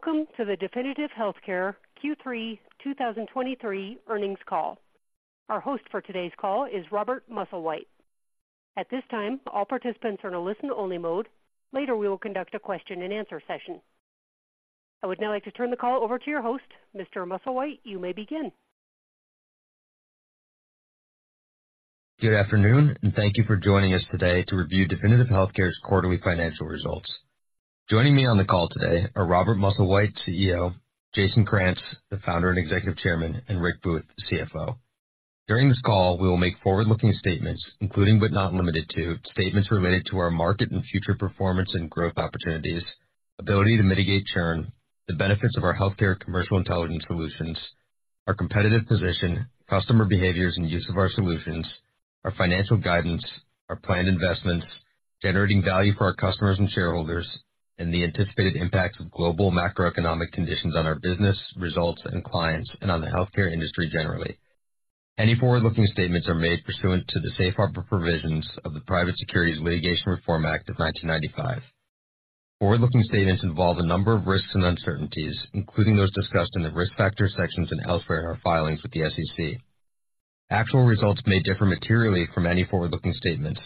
Welcome to the Definitive Healthcare Q3 2023 earnings call. Our host for today's call is Robert Musslewhite. At this time, all participants are in a listen-only mode. Later, we will conduct a question-and-answer session. I would now like to turn the call over to your host, Mr. Musslewhite. You may begin. Good afternoon, and thank you for joining us today to review Definitive Healthcare's quarterly financial results. Joining me on the call today are Robert Musslewhite, CEO; Jason Krantz, the founder and Executive Chairman; and Rick Booth, CFO. During this call, we will make forward-looking statements, including, but not limited to, statements related to our market and future performance and growth opportunities, ability to mitigate churn, the benefits of our healthcare commercial intelligence solutions, our competitive position, customer behaviors, and use of our solutions, our financial guidance, our planned investments, generating value for our customers and shareholders, and the anticipated impact of global macroeconomic conditions on our business results and clients, and on the healthcare industry generally. Any forward-looking statements are made pursuant to the Safe Harbor Provisions of the Private Securities Litigation Reform Act of 1995. Forward-looking statements involve a number of risks and uncertainties, including those discussed in the Risk Factors sections and elsewhere in our filings with the SEC. Actual results may differ materially from any forward-looking statement.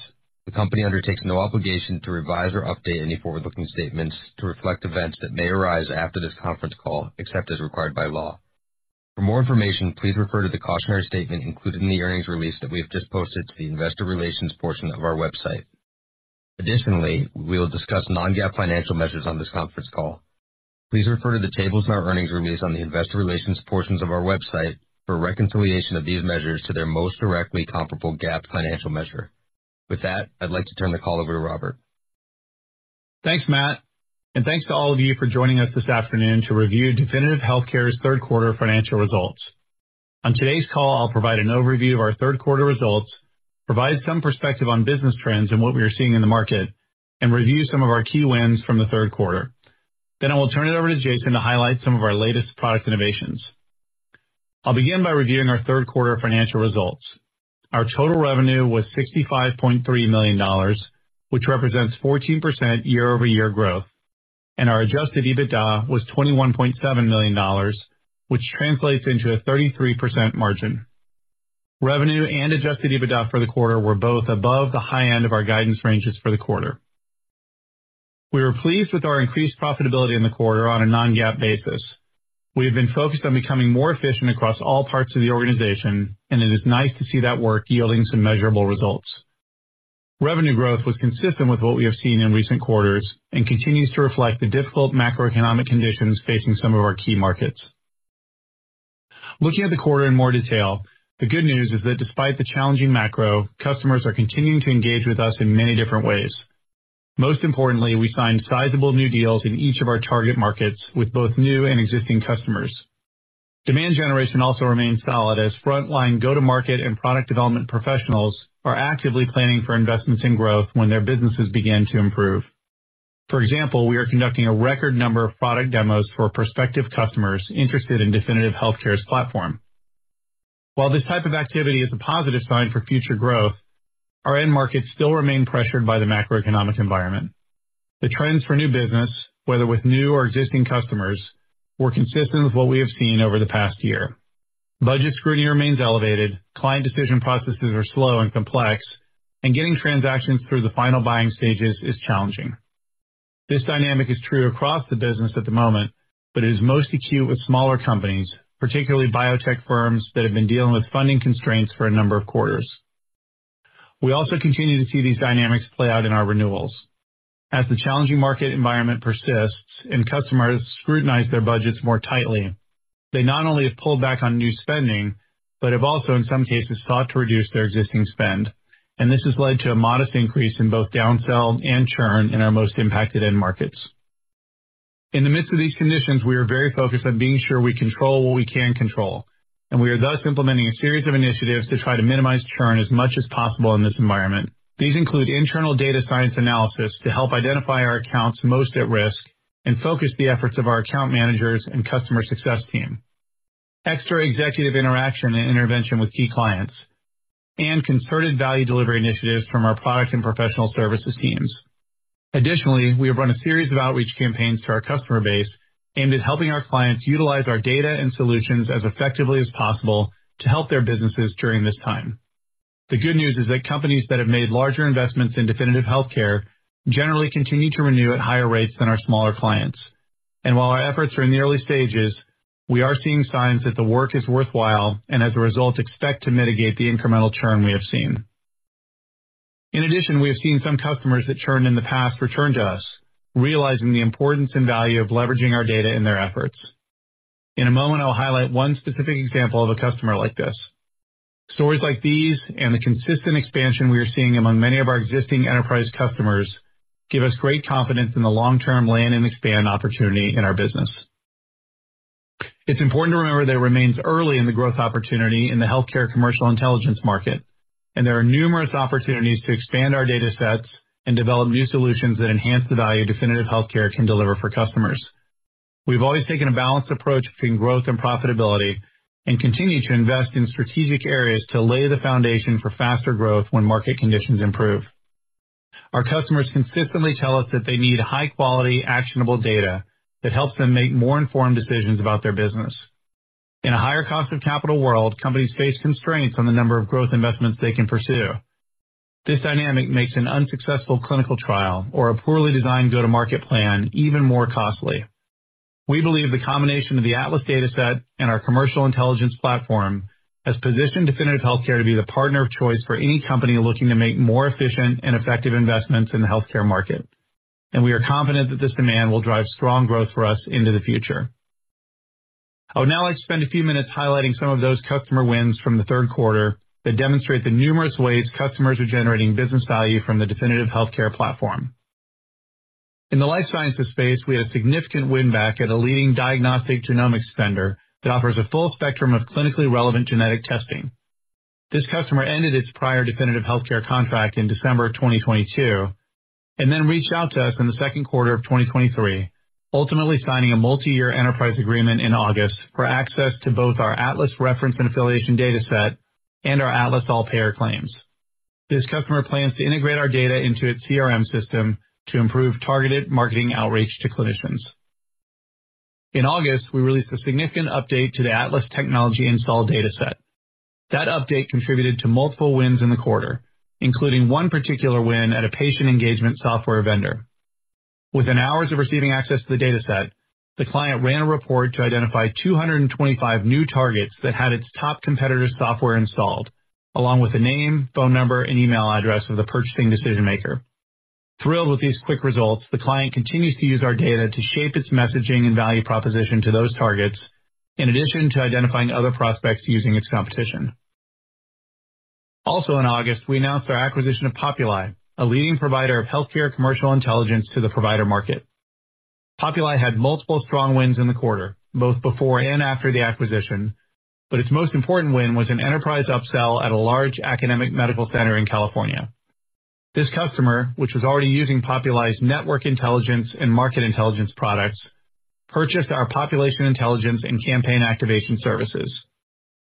The company undertakes no obligation to revise or update any forward-looking statements to reflect events that may arise after this conference call, except as required by law. For more information, please refer to the cautionary statement included in the earnings release that we have just posted to the investor relations portion of our website. Additionally, we will discuss non-GAAP financial measures on this conference call. Please refer to the tables in our earnings release on the investor relations portions of our website for a reconciliation of these measures to their most directly comparable GAAP financial measure. With that, I'd like to turn the call over to Robert. Thanks, Matt, and thanks to all of you for joining us this afternoon to review Definitive Healthcare's third quarter financial results. On today's call, I'll provide an overview of our third quarter results, provide some perspective on business trends and what we are seeing in the market, and review some of our key wins from the third quarter. Then I will turn it over to Jason to highlight some of our latest product innovations. I'll begin by reviewing our third quarter financial results. Our total revenue was $65.3 million, which represents 14% year-over-year growth, and our Adjusted EBITDA was $21.7 million, which translates into a 33% margin. Revenue and Adjusted EBITDA for the quarter were both above the high end of our guidance ranges for the quarter. We were pleased with our increased profitability in the quarter on a non-GAAP basis. We have been focused on becoming more efficient across all parts of the organization, and it is nice to see that work yielding some measurable results. Revenue growth was consistent with what we have seen in recent quarters and continues to reflect the difficult macroeconomic conditions facing some of our key markets. Looking at the quarter in more detail, the good news is that despite the challenging macro, customers are continuing to engage with us in many different ways. Most importantly, we signed sizable new deals in each of our target markets with both new and existing customers. Demand generation also remains solid as frontline go-to-market and product development professionals are actively planning for investments in growth when their businesses begin to improve. For example, we are conducting a record number of product demos for prospective customers interested in Definitive Healthcare's platform. While this type of activity is a positive sign for future growth, our end markets still remain pressured by the macroeconomic environment. The trends for new business, whether with new or existing customers, were consistent with what we have seen over the past year. Budget scrutiny remains elevated, client decision processes are slow and complex, and getting transactions through the final buying stages is challenging. This dynamic is true across the business at the moment, but it is most acute with smaller companies, particularly biotech firms that have been dealing with funding constraints for a number of quarters. We also continue to see these dynamics play out in our renewals. As the challenging market environment persists and customers scrutinize their budgets more tightly, they not only have pulled back on new spending, but have also, in some cases, sought to reduce their existing spend. This has led to a modest increase in both down-sell and churn in our most impacted end markets. In the midst of these conditions, we are very focused on being sure we control what we can control, and we are thus implementing a series of initiatives to try to minimize churn as much as possible in this environment. These include internal data science analysis to help identify our accounts most at risk and focus the efforts of our account managers and customer success team, extra executive interaction and intervention with key clients, and concerted value delivery initiatives from our product and professional services teams. Additionally, we have run a series of outreach campaigns to our customer base aimed at helping our clients utilize our data and solutions as effectively as possible to help their businesses during this time. The good news is that companies that have made larger investments in Definitive Healthcare generally continue to renew at higher rates than our smaller clients. While our efforts are in the early stages, we are seeing signs that the work is worthwhile and, as a result, expect to mitigate the incremental churn we have seen. In addition, we have seen some customers that churned in the past return to us, realizing the importance and value of leveraging our data in their efforts. In a moment, I'll highlight one specific example of a customer like this. Stories like these and the consistent expansion we are seeing among many of our existing enterprise customers give us great confidence in the long-term land and expand opportunity in our business. It's important to remember that it remains early in the growth opportunity in the healthcare commercial intelligence market, and there are numerous opportunities to expand our data sets and develop new solutions that enhance the value Definitive Healthcare can deliver for customers. We've always taken a balanced approach between growth and profitability and continue to invest in strategic areas to lay the foundation for faster growth when market conditions improve. Our customers consistently tell us that they need high-quality, actionable data that helps them make more informed decisions about their business. In a higher cost of capital world, companies face constraints on the number of growth investments they can pursue. This dynamic makes an unsuccessful clinical trial or a poorly designed go-to-market plan even more costly. We believe the combination of the Atlas Dataset and our commercial intelligence platform has positioned Definitive Healthcare to be the partner of choice for any company looking to make more efficient and effective investments in the healthcare market, and we are confident that this demand will drive strong growth for us into the future. I would now like to spend a few minutes highlighting some of those customer wins from the third quarter that demonstrate the numerous ways customers are generating business value from the Definitive Healthcare platform. In the life sciences space, we had a significant win back at a leading diagnostic genomics vendor that offers a full spectrum of clinically relevant genetic testing. This customer ended its prior Definitive Healthcare contract in December of 2022, and then reached out to us in the second quarter of 2023, ultimately signing a multiyear enterprise agreement in August for access to both our Atlas Reference and Affiliation Dataset and our Atlas All-Payor Claims. This customer plans to integrate our data into its CRM system to improve targeted marketing outreach to clinicians. In August, we released a significant update to the Atlas Technology Install Dataset. That update contributed to multiple wins in the quarter, including one particular win at a patient engagement software vendor. Within hours of receiving access to the data set, the client ran a report to identify 225 new targets that had its top competitor's software installed, along with the name, phone number, and email address of the purchasing decision maker. Thrilled with these quick results, the client continues to use our data to shape its messaging and value proposition to those targets, in addition to identifying other prospects using its competition. Also in August, we announced our acquisition of Populi, a leading provider of healthcare commercial intelligence to the provider market. Populi had multiple strong wins in the quarter, both before and after the acquisition, but its most important win was an enterprise upsell at a large academic medical center in California. This customer, which was already using Populi's network intelligence and market intelligence products, purchased our population intelligence and campaign activation services.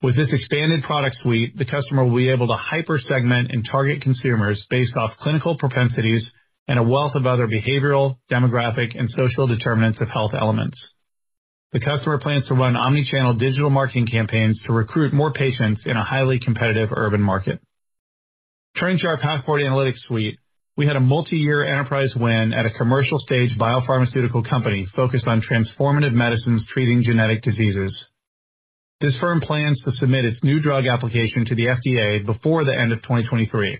With this expanded product suite, the customer will be able to hyper segment and target consumers based off clinical propensities and a wealth of other behavioral, demographic, and social determinants of health elements. The customer plans to run omni-channel digital marketing campaigns to recruit more patients in a highly competitive urban market. Turning to our Passport Analytics Suite, we had a multiyear enterprise win at a commercial stage biopharmaceutical company focused on transformative medicines treating genetic diseases. This firm plans to submit its new drug application to the FDA before the end of 2023,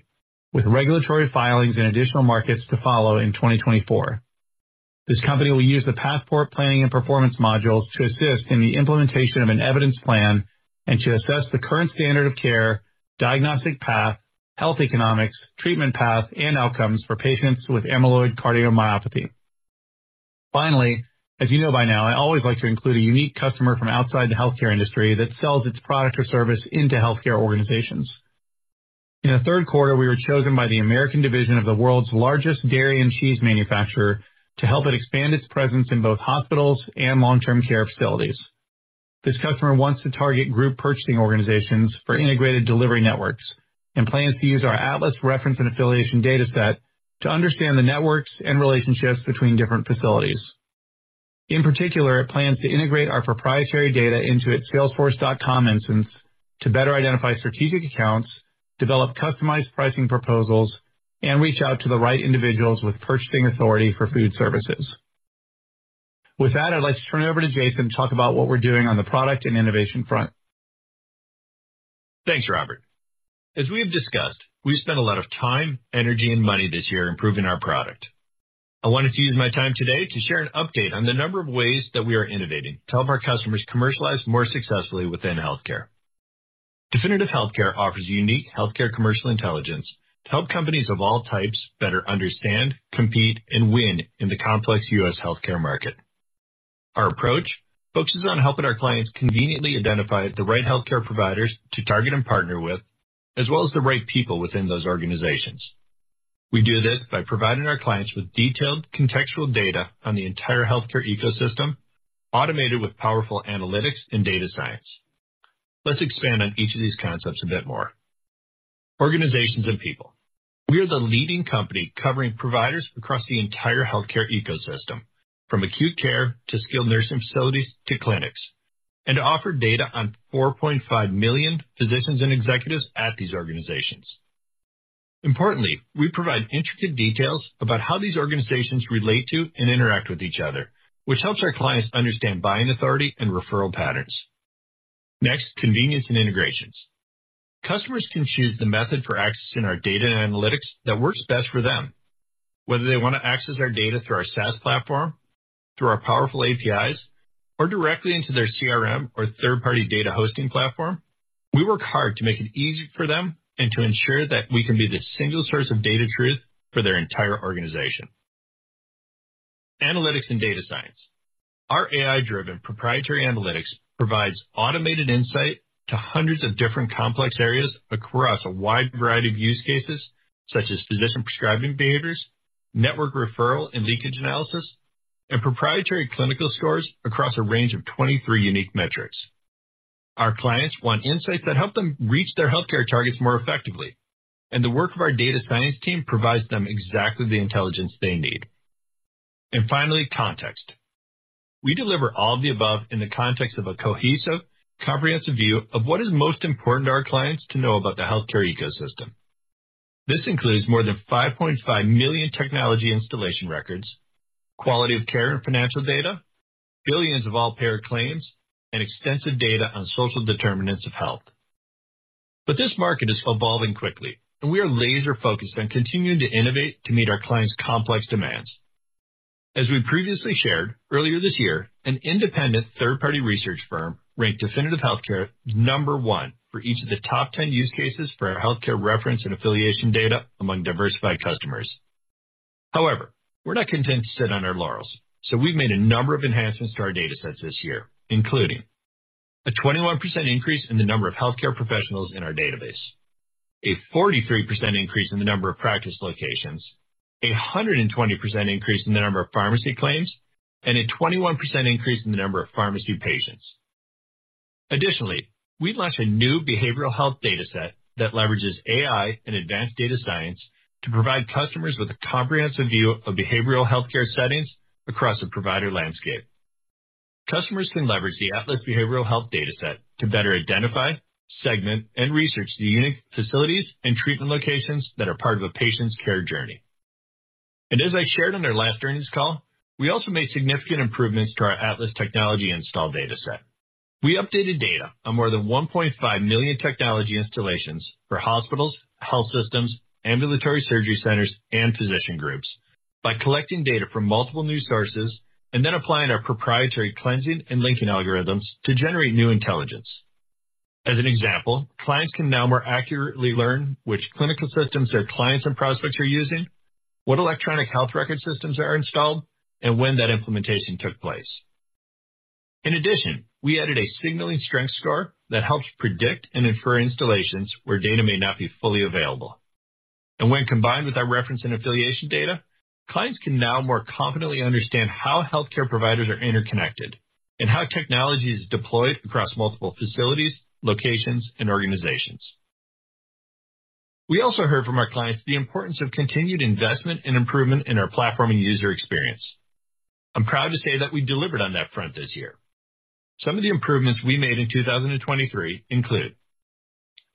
with regulatory filings in additional markets to follow in 2024. This company will use the Passport Planning and Performance modules to assist in the implementation of an evidence plan and to assess the current standard of care, diagnostic path, health economics, treatment path, and outcomes for patients with amyloid cardiomyopathy. Finally, as you know by now, I always like to include a unique customer from outside the healthcare industry that sells its product or service into healthcare organizations. In the third quarter, we were chosen by the American division of the world's largest dairy and cheese manufacturer to help it expand its presence in both hospitals and long-term care facilities. This customer wants to target group purchasing organizations for integrated delivery networks and plans to use our Atlas Reference and Affiliation Dataset to understand the networks and relationships between different facilities. In particular, it plans to integrate our proprietary data into its salesforce.com instance to better identify strategic accounts, develop customized pricing proposals, and reach out to the right individuals with purchasing authority for food services. With that, I'd like to turn it over to Jason to talk about what we're doing on the product and innovation front. Thanks, Robert. As we have discussed, we spent a lot of time, energy, and money this year improving our product. I wanted to use my time today to share an update on the number of ways that we are innovating to help our customers commercialize more successfully within healthcare. Definitive Healthcare offers unique healthcare commercial intelligence to help companies of all types better understand, compete, and win in the complex U.S. healthcare market. Our approach focuses on helping our clients conveniently identify the right healthcare providers to target and partner with, as well as the right people within those organizations. We do this by providing our clients with detailed contextual data on the entire healthcare ecosystem, automated with powerful analytics and data science. Let's expand on each of these concepts a bit more. Organizations and people. We are the leading company covering providers across the entire healthcare ecosystem, from acute care to skilled nursing facilities to clinics, and offer data on 4.5 million physicians and executives at these organizations. Importantly, we provide intricate details about how these organizations relate to and interact with each other, which helps our clients understand buying authority and referral patterns. Next, convenience and integrations. Customers can choose the method for accessing our data and analytics that works best for them. Whether they want to access our data through our SaaS platform, through our powerful APIs, or directly into their CRM or third-party data hosting platform, we work hard to make it easy for them and to ensure that we can be the single source of data truth for their entire organization. Analytics and data science. Our AI-driven proprietary analytics provides automated insight to hundreds of different complex areas across a wide variety of use cases, such as physician prescribing behaviors, network referral and leakage analysis, and proprietary clinical scores across a range of 23 unique metrics. Our clients want insights that help them reach their healthcare targets more effectively, and the work of our data science team provides them exactly the intelligence they need. Finally, context. We deliver all of the above in the context of a cohesive, comprehensive view of what is most important to our clients to know about the healthcare ecosystem. This includes more than 5.5 million technology installation records, quality of care and financial data, billions of all-payer claims, and extensive data on social determinants of health. This market is evolving quickly, and we are laser focused on continuing to innovate to meet our clients' complex demands. As we previously shared, earlier this year, an independent third-party research firm ranked Definitive Healthcare number one for each of the top 10 use cases for our healthcare reference and affiliation data among diversified customers. However, we're not content to sit on our laurels, so we've made a number of enhancements to our datasets this year, including a 21% increase in the number of healthcare professionals in our database, a 43% increase in the number of practice locations, a 120% increase in the number of pharmacy claims, and a 21% increase in the number of pharmacy patients. Additionally, we've launched a new behavioral health dataset that leverages AI and advanced data science to provide customers with a comprehensive view of behavioral healthcare settings across a provider landscape. Customers can leverage the Atlas Behavioral Health Dataset to better identify, segment, and research the unique facilities and treatment locations that are part of a patient's care journey. As I shared on our last earnings call, we also made significant improvements to our Atlas Technology Install Dataset. We updated data on more than 1.5 million technology installations for hospitals, health systems, ambulatory surgery centers, and physician groups by collecting data from multiple new sources and then applying our proprietary cleansing and linking algorithms to generate new intelligence. As an example, clients can now more accurately learn which clinical systems their clients and prospects are using, what electronic health record systems are installed, and when that implementation took place. In addition, we added a signaling strength score that helps predict and infer installations where data may not be fully available. When combined with our reference and affiliation data, clients can now more confidently understand how healthcare providers are interconnected and how technology is deployed across multiple facilities, locations, and organizations. We also heard from our clients the importance of continued investment and improvement in our platform and user experience. I'm proud to say that we delivered on that front this year. Some of the improvements we made in 2023 include: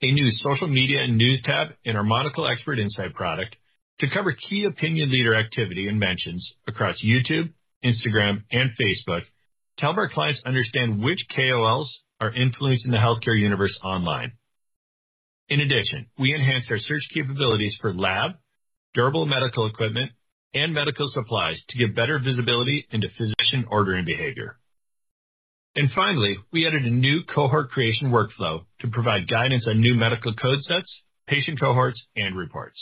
a new social media and news tab in our Monocl Expert Insight product to cover key opinion leader activity and mentions across YouTube, Instagram, and Facebook to help our clients understand which KOLs are influencing the healthcare universe online. In addition, we enhanced our search capabilities for lab, durable medical equipment, and medical supplies to give better visibility into physician ordering behavior. And finally, we added a new cohort creation workflow to provide guidance on new medical code sets, patient cohorts, and reports.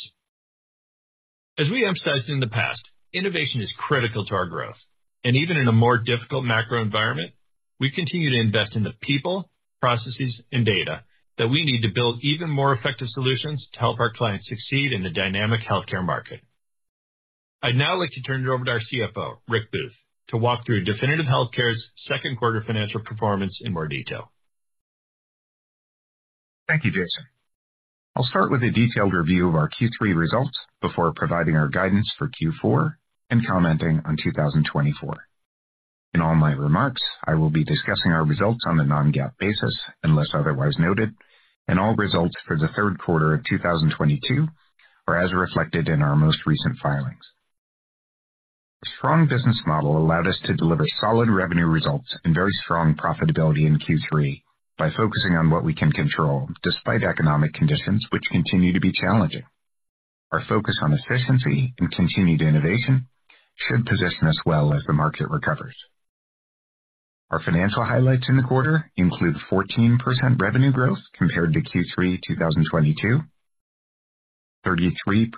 As we emphasized in the past, innovation is critical to our growth, and even in a more difficult macro environment, we continue to invest in the people, processes, and data that we need to build even more effective solutions to help our clients succeed in the dynamic healthcare market. I'd now like to turn it over to our CFO, Rick Booth, to walk through Definitive Healthcare's second quarter financial performance in more detail. Thank you, Jason. I'll start with a detailed review of our Q3 results before providing our guidance for Q4 and commenting on 2024. In all my remarks, I will be discussing our results on a non-GAAP basis, unless otherwise noted, and all results for the third quarter of 2022 are as reflected in our most recent filings. A strong business model allowed us to deliver solid revenue results and very strong profitability in Q3 by focusing on what we can control despite economic conditions, which continue to be challenging. Our focus on efficiency and continued innovation should position us well as the market recovers. Our financial highlights in the quarter include 14% revenue growth compared to Q3 2022, 33%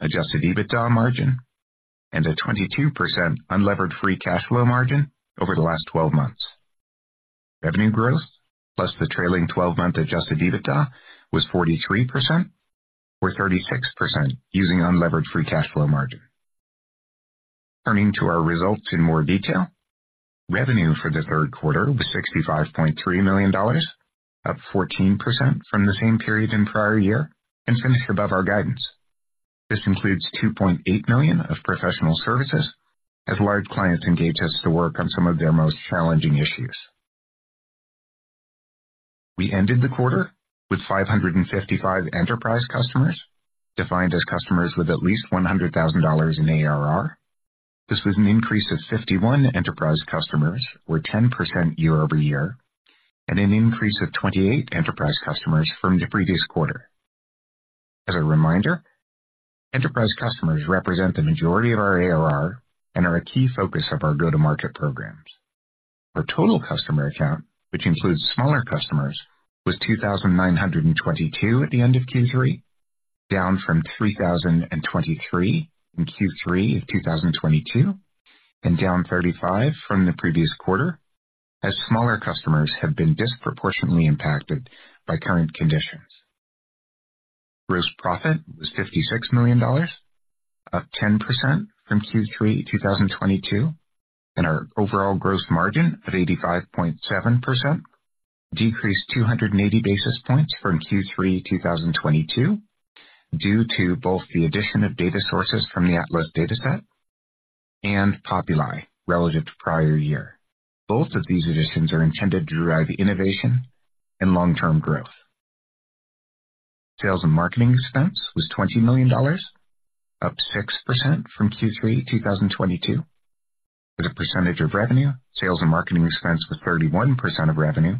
Adjusted EBITDA margin, and a 22% Unlevered Free Cash Flow margin over the last 12 months. Revenue growth, plus the trailing 12-month Adjusted EBITDA, was 43%, Unlevered Free Cash Flow margin. turning to our results in more detail. Revenue for the third quarter was $65.3 million, up 14% from the same period in prior year and finished above our guidance. This includes $2.8 million of professional services as large clients engaged us to work on some of their most challenging issues. We ended the quarter with 555 enterprise customers, defined as customers with at least $100,000 in ARR. This was an increase of 51 enterprise customers, or 10% year-over-year, and an increase of 28 enterprise customers from the previous quarter. As a reminder, enterprise customers represent the majority of our ARR and are a key focus of our go-to-market programs. Our total customer count, which includes smaller customers, was 2,922 at the end of Q3, down from 3,023 in Q3 of 2022, and down 35 from the previous quarter, as smaller customers have been disproportionately impacted by current conditions. Gross profit was $56 million, up 10% from Q3 2022, and our overall gross margin of 85.7% decreased 280 basis points from Q3 2022, due to both the addition of data sources from the Atlas Dataset and Populi relative to prior year. Both of these additions are intended to drive innovation and long-term growth. Sales and marketing expense was $20 million, up 6% from Q3 2022. As a percentage of revenue, sales and marketing expense was 31% of revenue,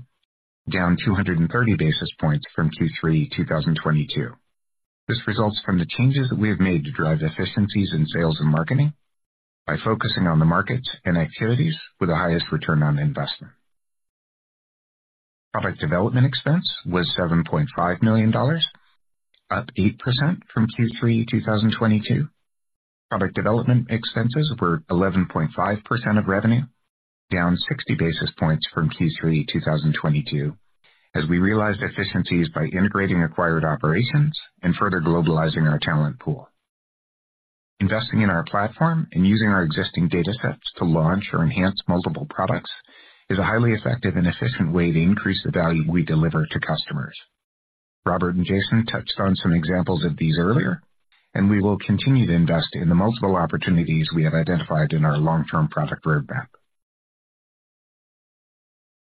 down 230 basis points from Q3 2022. This results from the changes that we have made to drive efficiencies in sales and marketing by focusing on the markets and activities with the highest return on investment. Product development expense was $7.5 million, up 8% from Q3 2022. Product development expenses were 11.5% of revenue, down 60 basis points from Q3 2022, as we realized efficiencies by integrating acquired operations and further globalizing our talent pool. Investing in our platform and using our existing data sets to launch or enhance multiple products is a highly effective and efficient way to increase the value we deliver to customers. Robert and Jason touched on some examples of these earlier, and we will continue to invest in the multiple opportunities we have identified in our long-term product roadmap.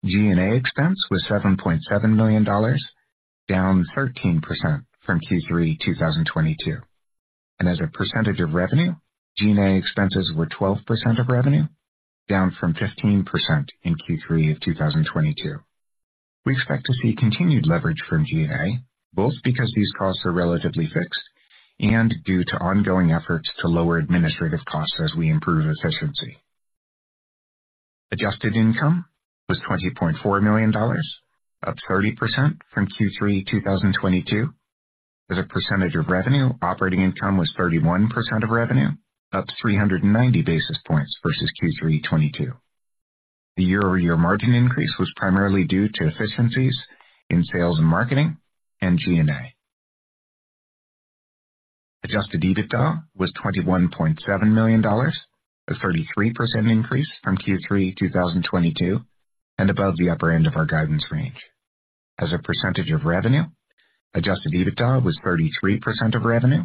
G&A expense was $7.7 million, down 13% from Q3 2022, and as a percentage of revenue, G&A expenses were 12% of revenue, down from 15% in Q3 of 2022. We expect to see continued leverage from G&A, both because these costs are relatively fixed and due to ongoing efforts to lower administrative costs as we improve efficiency. Adjusted income was $20.4 million, up 30% from Q3 2022. As a percentage of revenue, operating income was 31% of revenue, up 390 basis points versus Q3 2022. The year-over-year margin increase was primarily due to efficiencies in sales and marketing and G&A. Adjusted EBITDA was $21.7 million, a 33% increase from Q3 2022 and above the upper end of our guidance range. As a percentage of revenue, adjusted EBITDA was 33% of revenue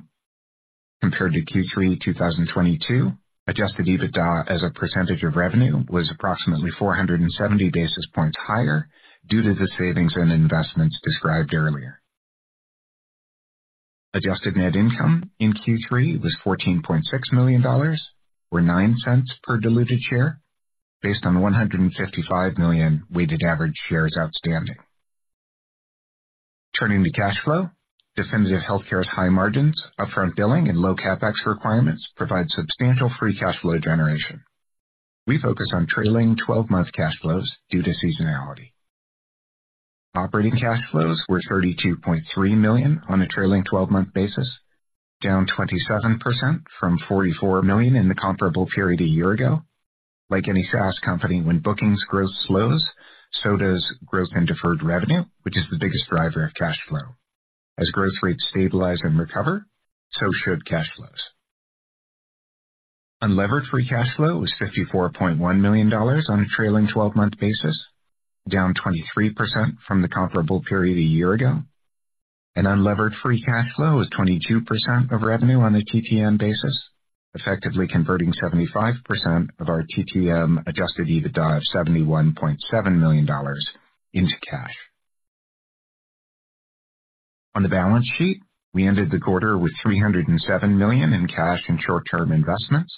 compared to Q3 2022. Adjusted EBITDA as a percentage of revenue was approximately 470 basis points higher due to the savings and investments described earlier. Adjusted Net Income in Q3 was $14.6 million, or $0.09 per diluted share, based on 155 million weighted-average shares outstanding. Turning to cash flow, Definitive Healthcare's high margins, upfront billing and low CapEx requirements provide substantial free cash flow generation. We focus on trailing 12-month cash flows due to seasonality. Operating cash flows were $32.3 million on a trailing 12-month basis, down 27% from $44 million in the comparable period a year ago. Like any SaaS company, when bookings growth slows, so does growth in deferred revenue, which is the biggest driver of cash flow. As growth rates stabilize and recover, so Unlevered Free Cash Flow is $54.1 million on a trailing 12-month basis, down 23% from the comparable period a year ago. Unlevered Free Cash Flow is 22% of revenue on a TTM basis, effectively converting 75% of our TTM adjusted EBITDA of $71.7 million into cash. On the balance sheet, we ended the quarter with $307 million in cash and short-term investments,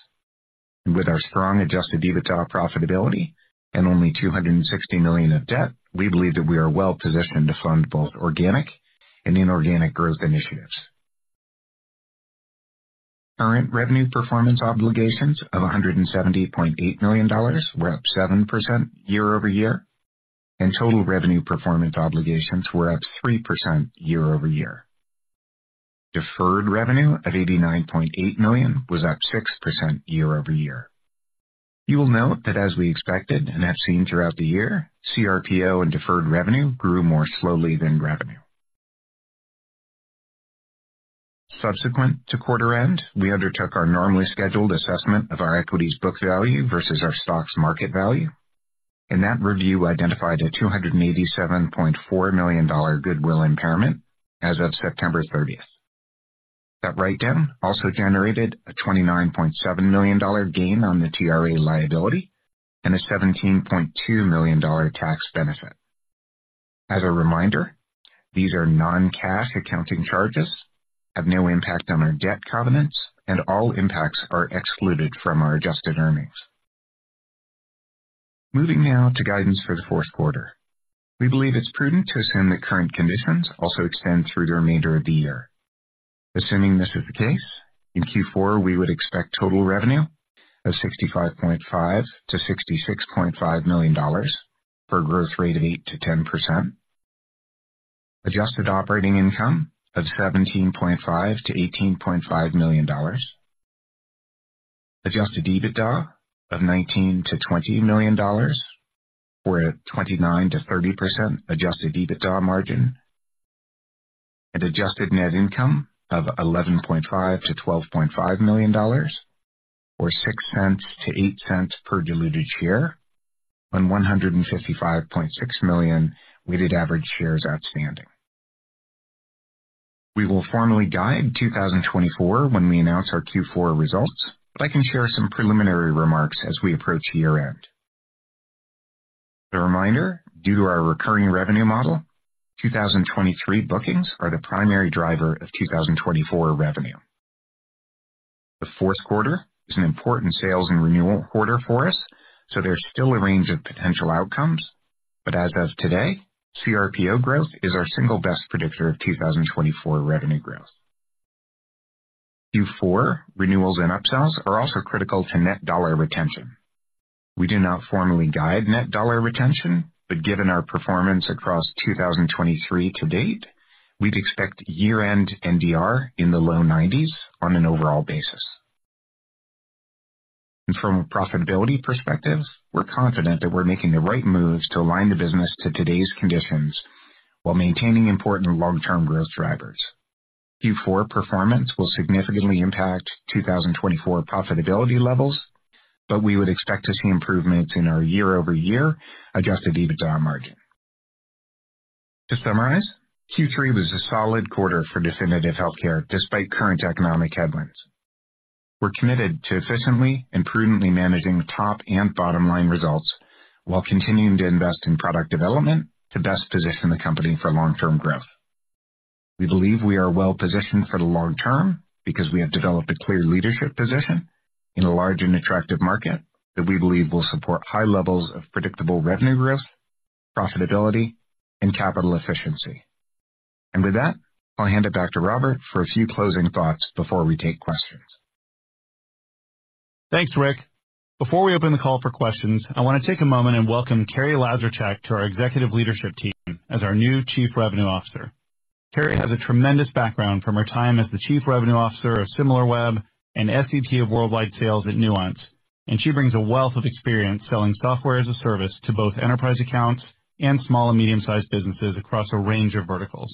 and with our strong adjusted EBITDA profitability and only $260 million of debt, we believe that we are well positioned to fund both organic and inorganic growth initiatives. Current revenue performance obligations of $170.8 million were up 7% year-over-year, and total revenue performance obligations were up 3% year-over-year. Deferred revenue of $89.8 million was up 6% year-over-year. You will note that as we expected and have seen throughout the year, cRPO and deferred revenue grew more slowly than revenue. Subsequent to quarter end, we undertook our normally scheduled assessment of our equity's book value versus our stock's market value, and that review identified a $287.4 million goodwill impairment as of September 30th. That write-down also generated a $29.7 million gain on the TRA liability and a $17.2 million tax benefit. As a reminder, these are non-cash accounting charges, have no impact on our debt covenants, and all impacts are excluded from our adjusted earnings. Moving now to guidance for the fourth quarter. We believe it's prudent to assume that current conditions also extend through the remainder of the year. Assuming this is the case, in Q4, we would expect total revenue of $65.5 million-$66.5 million, for a growth rate of 8%-10%, Adjusted Operating Income of $17.5 million-$18.5 million, Adjusted EBITDA of $19 million-$20 million, or a 29%-30% Adjusted EBITDA margin, and Adjusted Net Income of $11.5 million-$12.5 million, or $0.06-$0.08 per diluted share on 155.6 million weighted-average shares outstanding. We will formally guide 2024 when we announce our Q4 results, but I can share some preliminary remarks as we approach year-end. A reminder, due to our recurring revenue model, 2023 bookings are the primary driver of 2024 revenue. The fourth quarter is an important sales and renewal quarter for us, so there's still a range of potential outcomes. But as of today, cRPO growth is our single best predictor of 2024 revenue growth. Q4 renewals and upsells are also critical to net dollar retention. We do not formally guide net dollar retention, but given our performance across 2023 to date, we'd expect year-end NDR in the low 90s% on an overall basis. And from a profitability perspective, we're confident that we're making the right moves to align the business to today's conditions while maintaining important long-term growth drivers. Q4 performance will significantly impact 2024 profitability levels, but we would expect to see improvements in our year-over-year Adjusted EBITDA margin. To summarize, Q3 was a solid quarter for Definitive Healthcare, despite current economic headwinds. We're committed to efficiently and prudently managing top and bottom line results while continuing to invest in product development to best position the company for long-term growth. We believe we are well positioned for the long term because we have developed a clear leadership position in a large and attractive market that we believe will support high levels of predictable revenue growth, profitability, and capital efficiency. And with that, I'll hand it back to Robert for a few closing thoughts before we take questions. Thanks, Rick. Before we open the call for questions, I want to take a moment and welcome Carrie Lazorchak to our Executive Leadership Team as our new Chief Revenue Officer. Carrie has a tremendous background from her time as the Chief Revenue Officer of Similarweb and SVP of Worldwide Sales at Nuance, and she brings a wealth of experience selling software as a service to both enterprise accounts and small and medium-sized businesses across a range of verticals.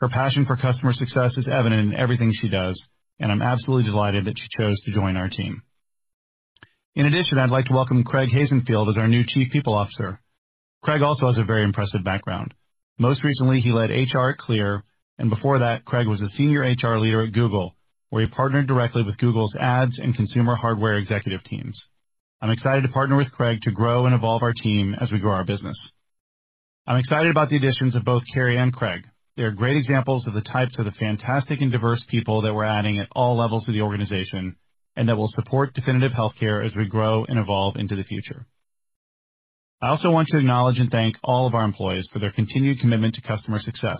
Her passion for customer success is evident in everything she does, and I'm absolutely delighted that she chose to join our team. In addition, I'd like to welcome Craig Hazenfield as our new Chief People Officer. Craig also has a very impressive background. Most recently, he led HR at CLEAR, and before that, Craig was a Senior HR leader at Google, where he partnered directly with Google's Ads and Consumer Hardware Executive Teams. I'm excited to partner with Craig to grow and evolve our team as we grow our business. I'm excited about the additions of both Carrie and Craig. They are great examples of the types of the fantastic and diverse people that we're adding at all levels of the organization and that will support Definitive Healthcare as we grow and evolve into the future. I also want to acknowledge and thank all of our employees for their continued commitment to customer success.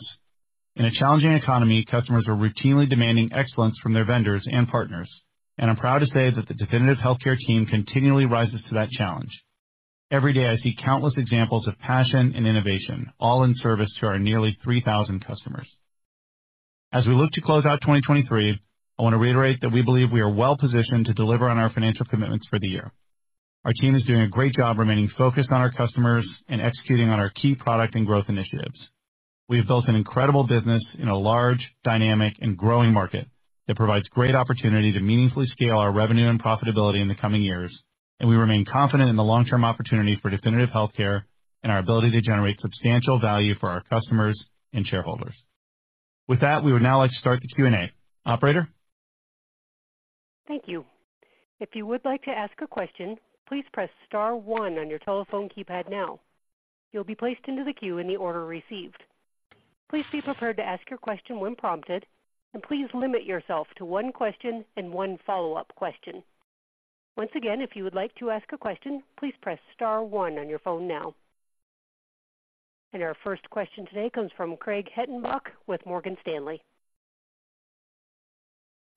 In a challenging economy, customers are routinely demanding excellence from their vendors and partners, and I'm proud to say that the Definitive Healthcare team continually rises to that challenge. Every day, I see countless examples of passion and innovation, all in service to our nearly 3,000 customers. As we look to close out 2023, I want to reiterate that we believe we are well positioned to deliver on our financial commitments for the year. Our team is doing a great job remaining focused on our customers and executing on our key product and growth initiatives. We have built an incredible business in a large, dynamic, and growing market that provides great opportunity to meaningfully scale our revenue and profitability in the coming years, and we remain confident in the long-term opportunity for Definitive Healthcare and our ability to generate substantial value for our customers and shareholders. With that, we would now like to start the Q&A. Operator? Thank you. If you would like to ask a question, please press star one on your telephone keypad now. You'll be placed into the queue in the order received. Please be prepared to ask your question when prompted, and please limit yourself to one question and one follow-up question. Once again, if you would like to ask a question, please press star one on your phone now. Our first question today comes from Craig Hettenbach with Morgan Stanley.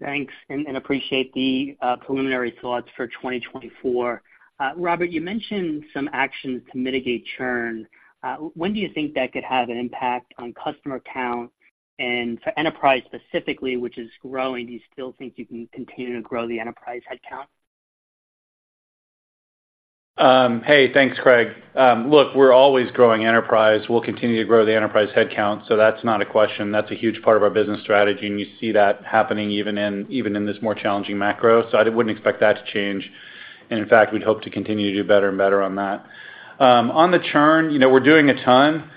Thanks, and appreciate the preliminary thoughts for 2024. Robert, you mentioned some actions to mitigate churn. When do you think that could have an impact on customer count? And for enterprise specifically, which is growing, do you still think you can continue to grow the enterprise headcount? Hey, thanks, Craig. Look, we're always growing enterprise. We'll continue to grow the enterprise headcount, so that's not a question. That's a huge part of our business strategy, and you see that happening even in this more challenging macro. So I wouldn't expect that to change, and in fact, we'd hope to continue to do better and better on that. On the churn, you know, we're doing a ton.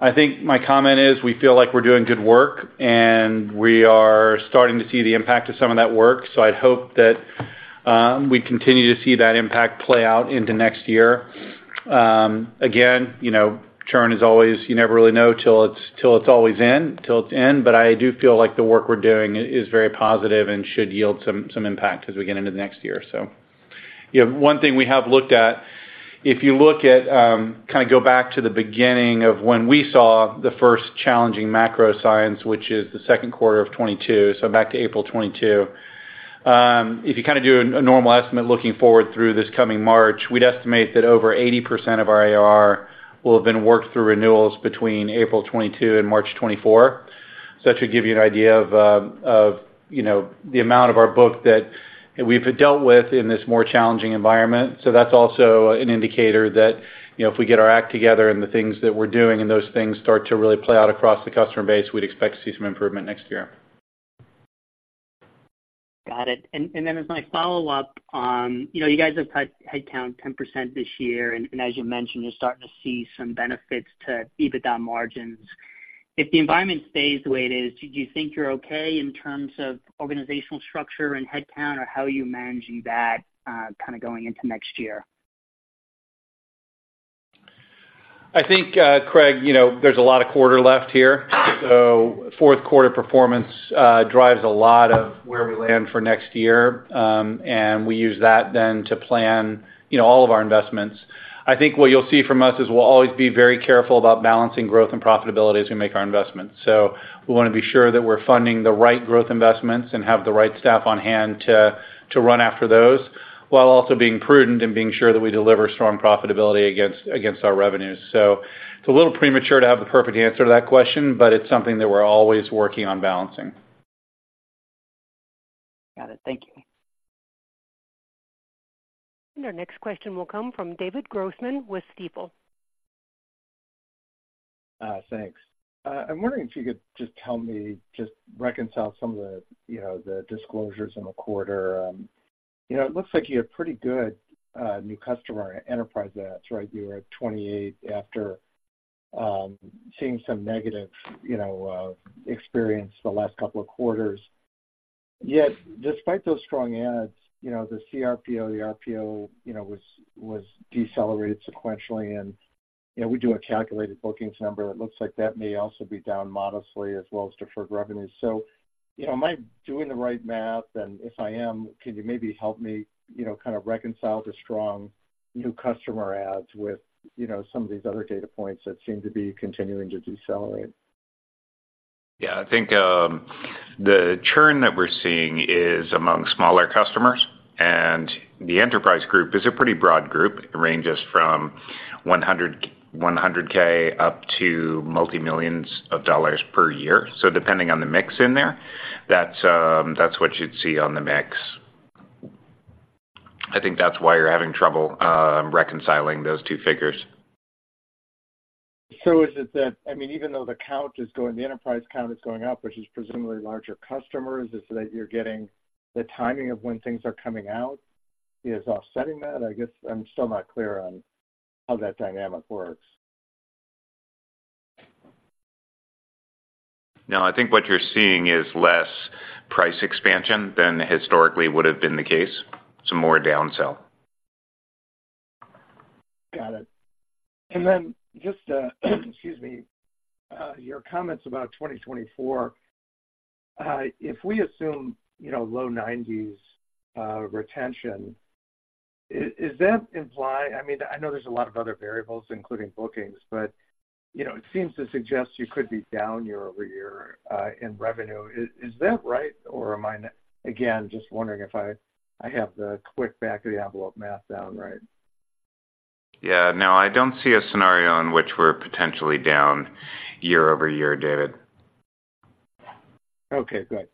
I think my comment is, we feel like we're doing good work, and we are starting to see the impact of some of that work, so I'd hope that we continue to see that impact play out into next year. Again, you know, churn is always... You never really know till it's always end. But I do feel like the work we're doing is very positive and should yield some impact as we get into the next year. So, yeah, one thing we have looked at, if you look at, kind of go back to the beginning of when we saw the first challenging macro signs, which is the second quarter of 2022, so back to April 2022. If you kind of do a normal estimate looking forward through this coming March, we'd estimate that over 80% of our ARR will have been worked through renewals between April 2022 and March 2024. So that should give you an idea of, you know, the amount of our book that we've dealt with in this more challenging environment. That's also an indicator that, you know, if we get our act together and the things that we're doing and those things start to really play out across the customer base, we'd expect to see some improvement next year. Got it. And, and then as my follow-up on, you know, you guys have cut headcount 10% this year, and, and as you mentioned, you're starting to see some benefits to EBITDA margins. If the environment stays the way it is, do you think you're okay in terms of organizational structure and headcount, or how are you managing that, kind of going into next year? I think, Craig, you know, there's a lot of quarter left here, so fourth quarter performance drives a lot of where we land for next year, and we use that then to plan, you know, all of our investments. I think what you'll see from us is we'll always be very careful about balancing growth and profitability as we make our investments. So we wanna be sure that we're funding the right growth investments and have the right staff on hand to run after those, while also being prudent and being sure that we deliver strong profitability against our revenues. So it's a little premature to have the perfect answer to that question, but it's something that we're always working on balancing. Got it. Thank you. Our next question will come from David Grossman with Stifel. Thanks. I'm wondering if you could just tell me, just reconcile some of the, you know, the disclosures in the quarter. You know, it looks like you have pretty good new customer enterprise adds, right? You were at 28 after seeing some negative, you know, experience the last couple of quarters. Yet despite those strong adds, you know, the cRPO, the RPO, you know, was decelerated sequentially, and, you know, we do a calculated bookings number, it looks like that may also be down modestly as well as deferred revenues. So, you know, am I doing the right math? And if I am, can you maybe help me, you know, kind of reconcile the strong new customer adds with, you know, some of these other data points that seem to be continuing to decelerate? Yeah, I think, the churn that we're seeing is among smaller customers, and the enterprise group is a pretty broad group. It ranges from $100,000 up to multimillions of dollars per year. So depending on the mix in there, that's, that's what you'd see on the mix. I think that's why you're having trouble, reconciling those two figures. So is it that, I mean, even though the count is going, the enterprise count is going up, which is presumably larger customers, is it that you're getting the timing of when things are coming out is offsetting that? I guess I'm still not clear on how that dynamic works. No, I think what you're seeing is less price expansion than historically would have been the case. It's more a downsell. Got it. And then just, excuse me, your comments about 2024, if we assume, you know, low 90s retention, I mean, I know there's a lot of other variables, including bookings, but, you know, it seems to suggest you could be down year-over-year in revenue. Is that right, or am I not? Again, just wondering if I have the quick back-of-the-envelope math down right. Yeah. No, I don't see a scenario in which we're potentially down year-over-year, David. Okay, good.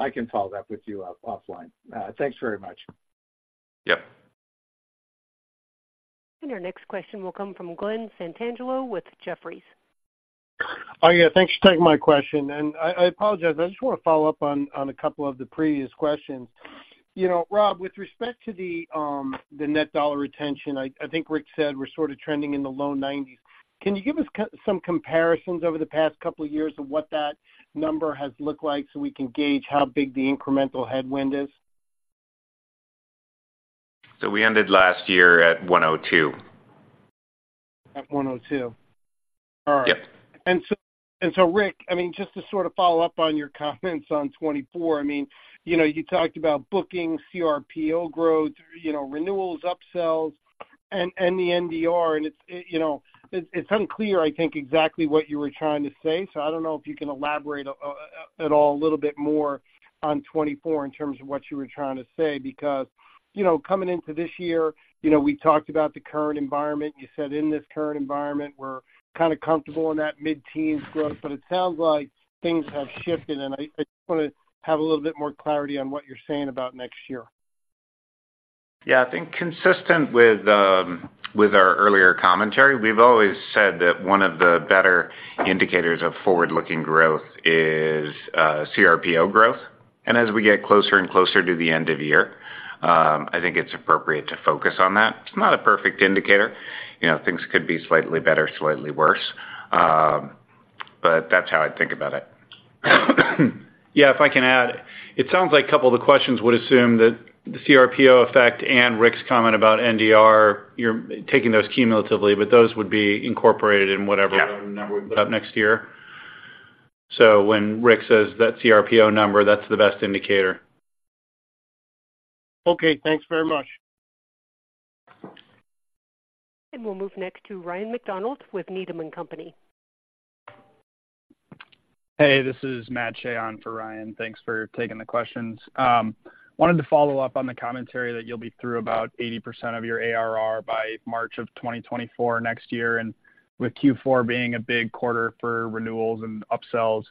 I can follow up with you, offline. Thanks very much. Yep. Our next question will come from Glenn Santangelo with Jefferies. Yeah, thanks for taking my question. I apologize, I just want to follow up on a couple of the previous questions. You know, Rob, with respect to the net dollar retention, I think Rick said we're sort of trending in the low 90s. Can you give us some comparisons over the past couple of years of what that number has looked like, so we can gauge how big the incremental headwind is? We ended last year at 102. At 102. Yep. All right. And so, and so Rick, I mean, just to sort of follow up on your comments on 2024, I mean, you know, you talked about bookings, cRPO growth, you know, renewals, upsells and, and the NDR, and it's, it, you know, it's, it's unclear, I think, exactly what you were trying to say. So I don't know if you can elaborate at all a little bit more on 2024 in terms of what you were trying to say. Because, you know, coming into this year, you know, we talked about the current environment. You said in this current environment, we're kind of comfortable in that mid-teen growth, but it sounds like things have shifted, and I, I just wanna have a little bit more clarity on what you're saying about next year. Yeah, I think consistent with our earlier commentary, we've always said that one of the better indicators of forward-looking growth is cRPO growth. As we get closer and closer to the end of the year, I think it's appropriate to focus on that. It's not a perfect indicator. You know, things could be slightly better, slightly worse, but that's how I'd think about it. Yeah, if I can add, it sounds like a couple of the questions would assume that the cRPO effect and Rick's comment about NDR, you're taking those cumulatively, but those would be incorporated in whatever- Yeah. Number we put up next year. So when Rick says that cRPO number, that's the best indicator. Okay, thanks very much.... We'll move next to Ryan MacDonald with Needham & Company. Hey, this is Matt Shea for Ryan. Thanks for taking the questions. Wanted to follow up on the commentary that you'll be through about 80% of your ARR by March of 2024 next year, and with Q4 being a big quarter for renewals and upsells,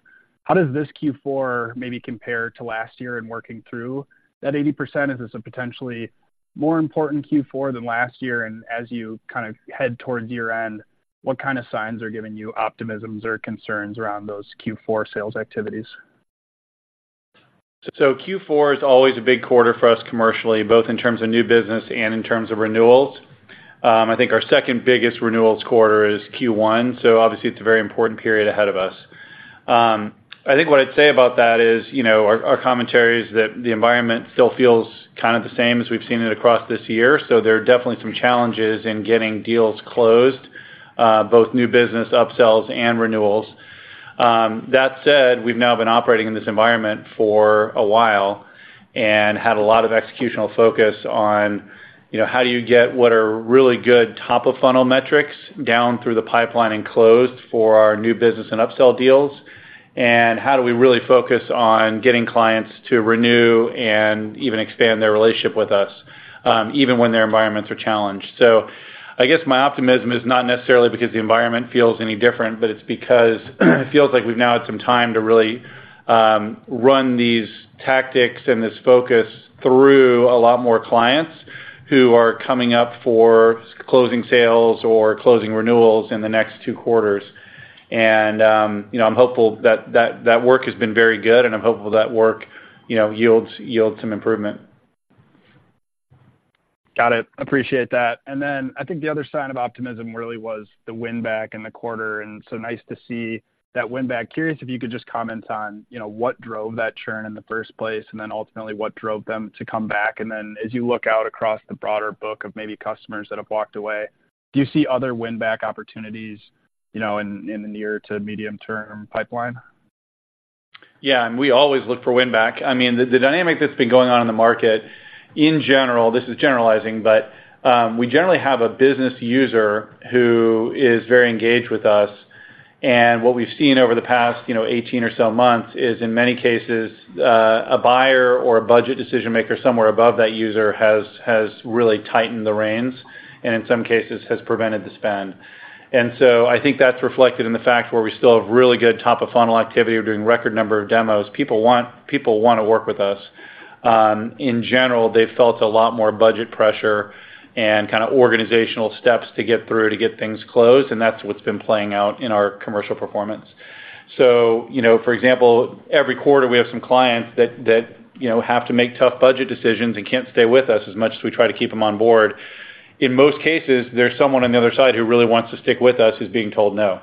how does this Q4 maybe compare to last year in working through that 80%? Is this a potentially more important Q4 than last year? And as you kind of head towards year-end, what kind of signs are giving you optimisms or concerns around those Q4 sales activities? So Q4 is always a big quarter for us commercially, both in terms of new business and in terms of renewals. I think our second biggest renewals quarter is Q1, so obviously it's a very important period ahead of us. I think what I'd say about that is, you know, our, our commentary is that the environment still feels kind of the same as we've seen it across this year. So there are definitely some challenges in getting deals closed, both new business, upsells, and renewals. That said, we've now been operating in this environment for a while and had a lot of executional focus on, you know, how do you get what are really good top-of-funnel metrics down through the pipeline and closed for our new business and upsell deals? How do we really focus on getting clients to renew and even expand their relationship with us, even when their environments are challenged? I guess my optimism is not necessarily because the environment feels any different, but it's because it feels like we've now had some time to really run these tactics and this focus through a lot more clients who are coming up for closing sales or closing renewals in the next two quarters. You know, I'm hopeful that work has been very good, and I'm hopeful that work you know yields some improvement. Got it. Appreciate that. And then I think the other sign of optimism really was the win-back in the quarter, and so nice to see that win-back. Curious if you could just comment on, you know, what drove that churn in the first place, and then ultimately, what drove them to come back. And then as you look out across the broader book of maybe customers that have walked away, do you see other win-back opportunities, you know, in, in the near to medium-term pipeline? Yeah, and we always look for win-back. I mean, the dynamic that's been going on in the market in general, this is generalizing, but, we generally have a business user who is very engaged with us, and what we've seen over the past, you know, 18 or so months is, in many cases, a buyer or a budget decision-maker somewhere above that user has really tightened the reins and in some cases has prevented the spend. And so I think that's reflected in the fact where we still have really good top-of-funnel activity. We're doing record number of demos. People want-- people want to work with us. In general, they've felt a lot more budget pressure and kind of organizational steps to get through to get things closed, and that's what's been playing out in our commercial performance. So, you know, for example, every quarter we have some clients that you know have to make tough budget decisions and can't stay with us as much as we try to keep them on board. In most cases, there's someone on the other side who really wants to stick with us, who's being told no.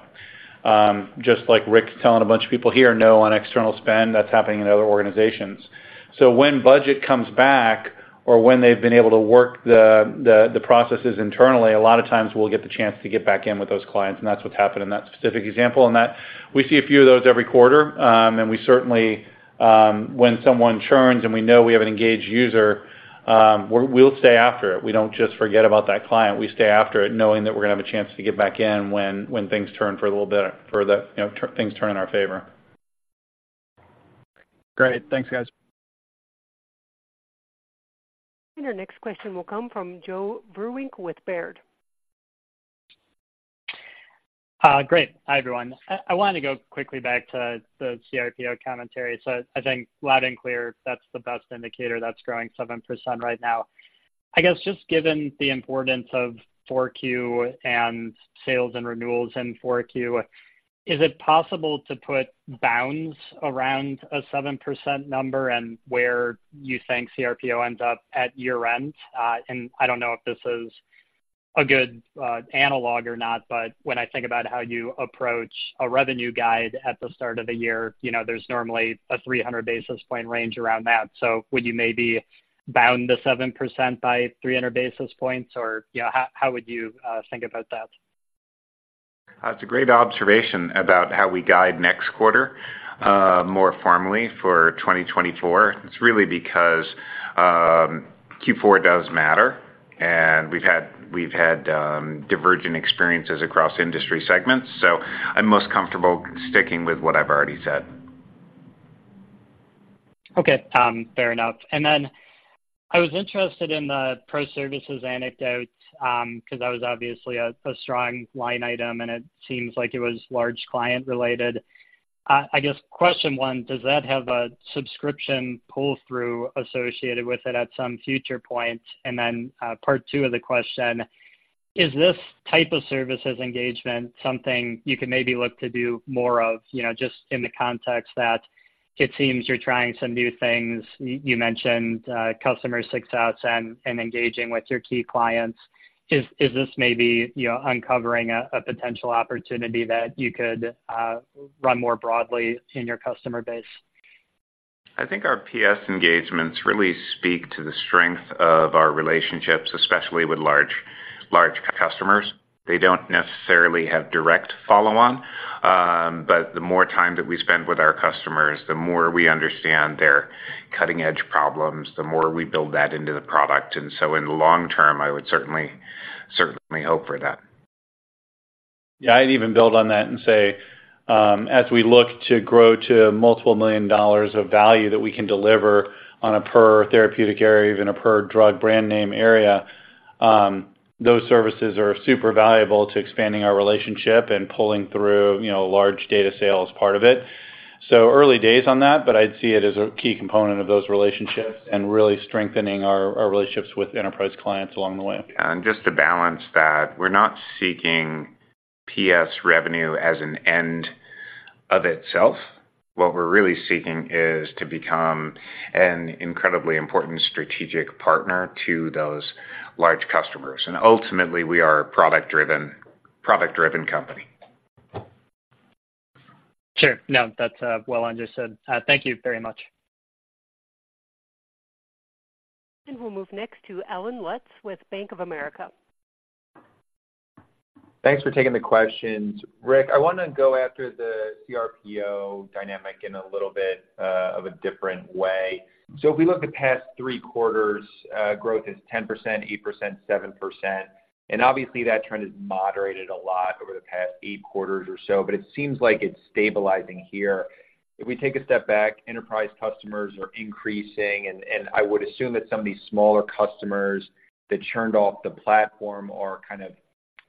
Just like Rick's telling a bunch of people here no on external spend, that's happening in other organizations. So when budget comes back or when they've been able to work the processes internally, a lot of times we'll get the chance to get back in with those clients, and that's what's happened in that specific example. And that we see a few of those every quarter. We certainly, when someone churns and we know we have an engaged user, we'll stay after it. We don't just forget about that client. We stay after it, knowing that we're going to have a chance to get back in when things turn for a little better, you know, things turn in our favor. Great. Thanks, guys. Our next question will come from Joe Vruwink with Baird. Great. Hi, everyone. I wanted to go quickly back to the cRPO commentary. So I think loud and clear, that's the best indicator that's growing 7% right now. I guess, just given the importance of 4Q and sales and renewals in 4Q, is it possible to put bounds around a 7% number and where you think cRPO ends up at year-end? And I don't know if this is a good analog or not, but when I think about how you approach a revenue guide at the start of the year, you know, there's normally a 300 basis point range around that. So would you maybe bound the 7% by 300 basis points, or, you know, how would you think about that? It's a great observation about how we guide next quarter, more formally for 2024. It's really because Q4 does matter, and we've had divergent experiences across industry segments, so I'm most comfortable sticking with what I've already said. Okay, fair enough. And then I was interested in the pro services anecdote, because that was obviously a strong line item, and it seems like it was large client-related. I guess question one, does that have a subscription pull-through associated with it at some future point? And then, part two of the question, is this type of services engagement something you can maybe look to do more of? You know, just in the context that it seems you're trying some new things. You mentioned customer six-outs and engaging with your key clients. Is this maybe, you know, uncovering a potential opportunity that you could run more broadly in your customer base? I think our PS engagements really speak to the strength of our relationships, especially with large, large customers. They don't necessarily have direct follow-on, but the more time that we spend with our customers, the more we understand their cutting-edge problems, the more we build that into the product. And so in the long term, I would certainly, certainly hope for that. Yeah, I'd even build on that and say, as we look to grow to multiple million dollars of value that we can deliver on a per therapeutic area, even a per drug brand name area, those services are super valuable to expanding our relationship and pulling through, you know, large data sales part of it. So early days on that, but I'd see it as a key component of those relationships and really strengthening our relationships with enterprise clients along the way. Yeah, and just to balance that, we're not seeking PS revenue as an end of itself. What we're really seeking is to become an incredibly important strategic partner to those large customers. Ultimately, we are a product-driven, product-driven company. Sure. No, that's, well understood. Thank you very much. We'll move next to Allen Lutz with Bank of America. Thanks for taking the questions. Rick, I wanna go after the cRPO dynamic in a little bit of a different way. So if we look the past three quarters, growth is 10%, 8%, 7%, and obviously, that trend has moderated a lot over the past eight quarters or so, but it seems like it's stabilizing here. If we take a step back, enterprise customers are increasing, and, and I would assume that some of these smaller customers that churned off the platform are kind of,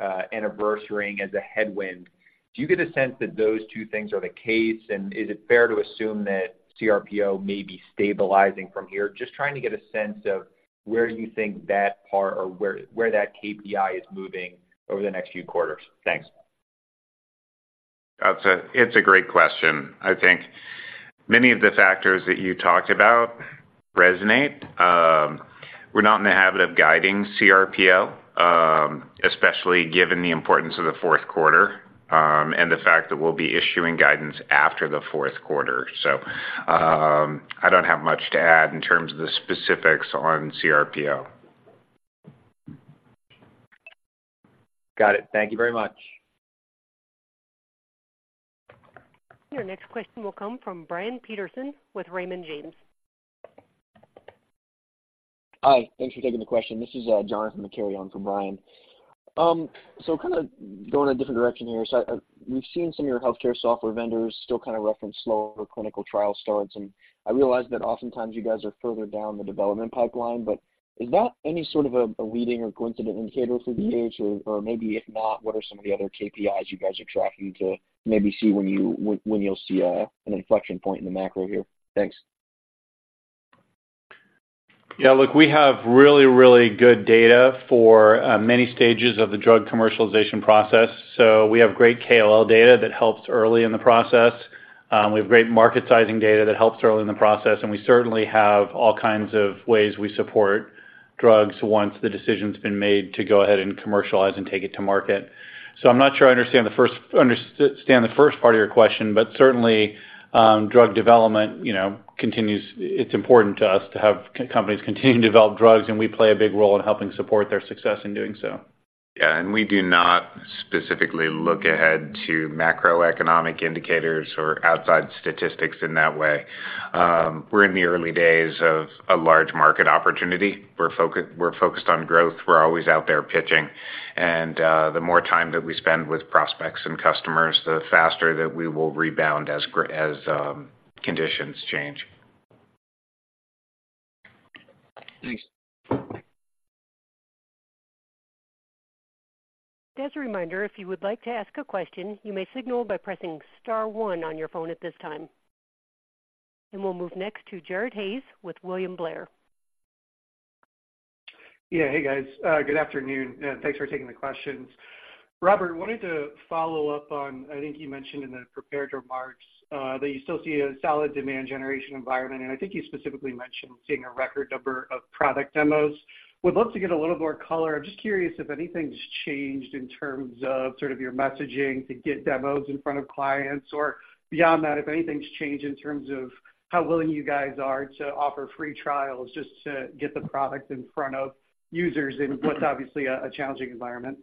anniversarying as a headwind. Do you get a sense that those two things are the case, and is it fair to assume that cRPO may be stabilizing from here? Just trying to get a sense of where you think that part or where, where that KPI is moving over the next few quarters. Thanks. That's a great question. I think many of the factors that you talked about resonate. We're not in the habit of guiding cRPO, especially given the importance of the fourth quarter, and the fact that we'll be issuing guidance after the fourth quarter. So, I don't have much to add in terms of the specifics on cRPO. Got it. Thank you very much. Your next question will come from Brian Peterson with Raymond James. Hi, thanks for taking the question. This is Johnathan McCary on for Brian. So kinda going a different direction here. We've seen some of your healthcare software vendors still kinda reference slower clinical trial starts, and I realize that oftentimes you guys are further down the development pipeline, but is that any sort of a leading or coincident indicator for [VH]? Or maybe if not, what are some of the other KPIs you guys are tracking to maybe see when you'll see an inflection point in the macro here? Thanks. Yeah, look, we have really, really good data for many stages of the drug commercialization process. So we have great KOL data that helps early in the process. We have great market sizing data that helps early in the process, and we certainly have all kinds of ways we support drugs once the decision's been made to go ahead and commercialize and take it to market. So I'm not sure I understand the first part of your question, but certainly, drug development, you know, continues. It's important to us to have companies continue to develop drugs, and we play a big role in helping support their success in doing so. Yeah, and we do not specifically look ahead to macroeconomic indicators or outside statistics in that way. We're in the early days of a large market opportunity. We're focused on growth. We're always out there pitching, and the more time that we spend with prospects and customers, the faster that we will rebound as conditions change. Thanks. Bye. As a reminder, if you would like to ask a question, you may signal by pressing star one on your phone at this time. We'll move next to Jared Haase with William Blair. Yeah. Hey, guys. Good afternoon, and thanks for taking the questions. Robert, wanted to follow up on, I think you mentioned in the prepared remarks, that you still see a solid demand generation environment, and I think you specifically mentioned seeing a record number of product demos. Would love to get a little more color. I'm just curious if anything's changed in terms of sort of your messaging to get demos in front of clients, or beyond that, if anything's changed in terms of how willing you guys are to offer free trials just to get the product in front of users in what's obviously a challenging environment?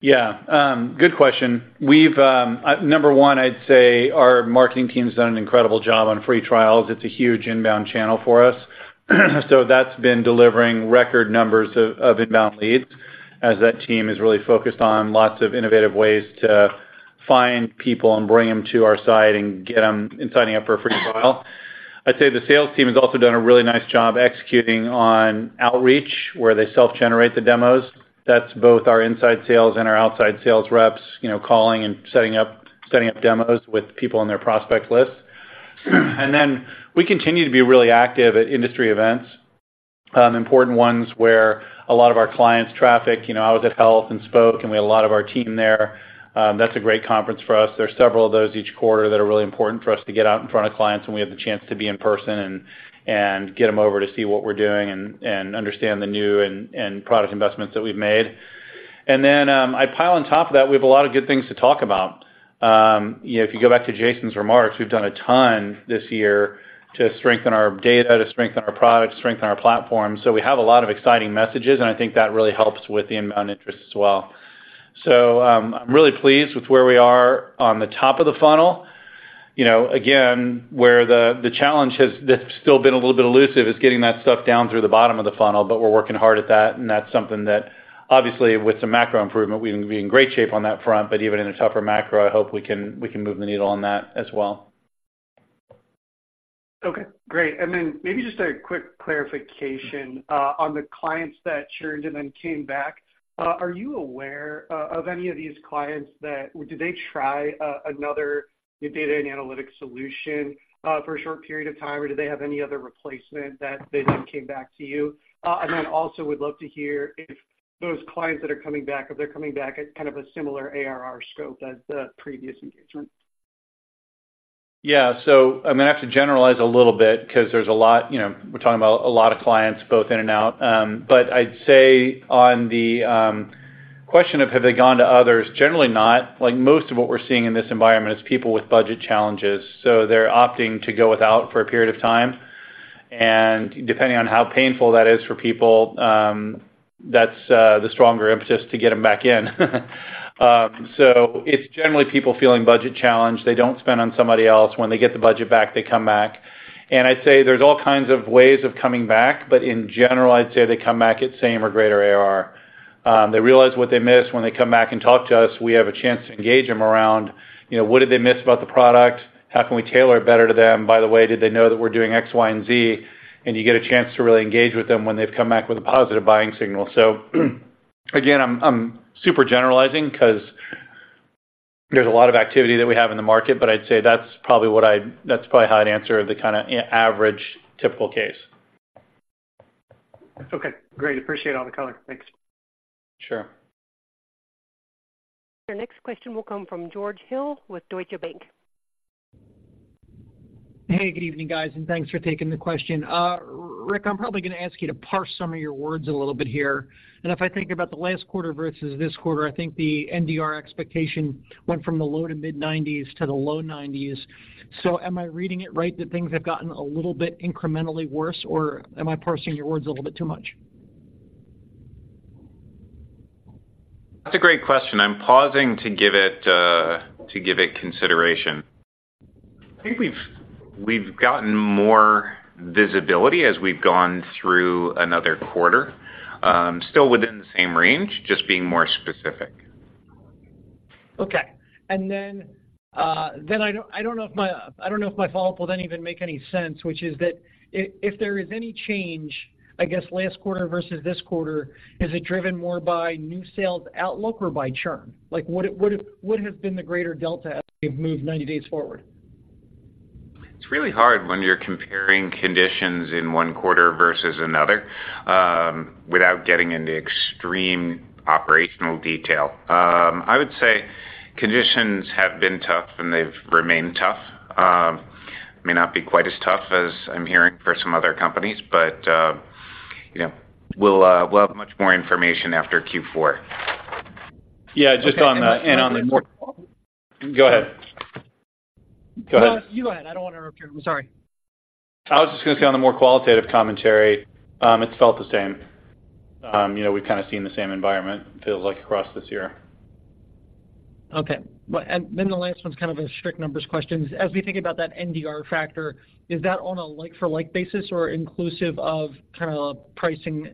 Yeah, good question. We've number one, I'd say our marketing team's done an incredible job on free trials. It's a huge inbound channel for us. So that's been delivering record numbers of inbound leads, as that team is really focused on lots of innovative ways to find people and bring them to our site and get them in signing up for a free trial. I'd say the sales team has also done a really nice job executing on outreach, where they self-generate the demos. That's both our inside sales and our outside sales reps, you know, calling and setting up demos with people on their prospect list. And then we continue to be really active at industry events, important ones where a lot of our clients traffic. You know, I was at HLTH and spoke, and we had a lot of our team there. That's a great conference for us. There's several of those each quarter that are really important for us to get out in front of clients, and we have the chance to be in person and get them over to see what we're doing and understand the new product investments that we've made. Then, I pile on top of that, we have a lot of good things to talk about. You know, if you go back to Jason's remarks, we've done a ton this year to strengthen our data, to strengthen our product, to strengthen our platform. So we have a lot of exciting messages, and I think that really helps with the inbound interest as well. So, I'm really pleased with where we are on the top of the funnel. You know, again, where the challenge that's still been a little bit elusive is getting that stuff down through the bottom of the funnel, but we're working hard at that, and that's something that obviously, with some macro improvement, we'll be in great shape on that front, but even in a tougher macro, I hope we can move the needle on that as well. Okay, great. And then maybe just a quick clarification on the clients that churned and then came back. Are you aware of any of these clients that did they try another data and analytics solution for a short period of time, or do they have any other replacement that they then came back to you? And then also would love to hear if those clients that are coming back, if they're coming back at kind of a similar ARR scope as the previous engagement. Yeah. So I'm gonna have to generalize a little bit because there's a lot, you know, we're talking about a lot of clients, both in and out. But I'd say on the question of have they gone to others, generally not. Like, most of what we're seeing in this environment is people with budget challenges, so they're opting to go without for a period of time. And depending on how painful that is for people, that's the stronger impetus to get them back in. So it's generally people feeling budget challenged. They don't spend on somebody else. When they get the budget back, they come back. And I'd say there's all kinds of ways of coming back, but in general, I'd say they come back at same or greater ARR. They realize what they miss when they come back and talk to us. We have a chance to engage them around, you know, what did they miss about the product? How can we tailor it better to them? By the way, did they know that we're doing X, Y, and Z? And you get a chance to really engage with them when they've come back with a positive buying signal. So, again, I'm super generalizing because there's a lot of activity that we have in the market, but I'd say that's probably how I'd answer the kinda average typical case. Okay, great. Appreciate all the color. Thanks. Sure. Your next question will come from George Hill with Deutsche Bank. Hey, good evening, guys, and thanks for taking the question. Rick, I'm probably gonna ask you to parse some of your words a little bit here. And if I think about the last quarter versus this quarter, I think the NDR expectation went from the low to mid-90s% to the low 90s%. So am I reading it right, that things have gotten a little bit incrementally worse, or am I parsing your words a little bit too much? That's a great question. I'm pausing to give it, to give it consideration. I think we've gotten more visibility as we've gone through another quarter, still within the same range, just being more specific. Okay. And then I don't know if my follow-up will then even make any sense, which is that if there is any change, I guess, last quarter versus this quarter, is it driven more by new sales outlook or by churn? Like, what has been the greater delta as we've moved 90 days forward? It's really hard when you're comparing conditions in one quarter versus another, without getting into extreme operational detail. I would say conditions have been tough, and they've remained tough. May not be quite as tough as I'm hearing for some other companies, but, you know, we'll have much more information after Q4. Yeah, just on the—. Go ahead. Go ahead. No, you go ahead. I don't want to interrupt you. I'm sorry. I was just gonna say, on the more qualitative commentary, it's felt the same. You know, we've kinda seen the same environment, feels like, across this year. Okay. Well, and then the last one's kind of a strict numbers question. As we think about that NDR factor, is that on a like for like basis or inclusive of kinda pricing,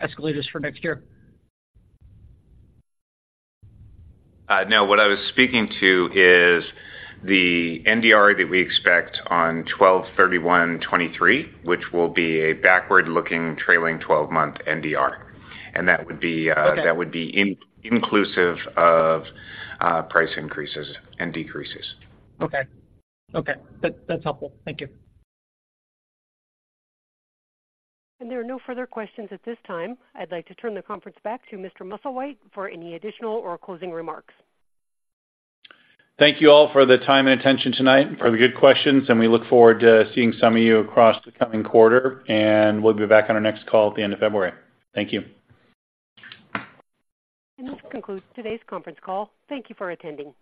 escalators for next year? No, what I was speaking to is the NDR that we expect on 12/31/2023, which will be a backward-looking trailing 12-month NDR. And that would be. Okay. That would be inclusive of price increases and decreases. Okay. Okay, that, that's helpful. Thank you. There are no further questions at this time. I'd like to turn the conference back to Mr. Musslewhite for any additional or closing remarks. Thank you all for the time and attention tonight, for the good questions, and we look forward to seeing some of you across the coming quarter, and we'll be back on our next call at the end of February. Thank you. This concludes today's conference call. Thank you for attending.